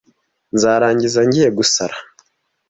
Nzarangiza ngiye gusara.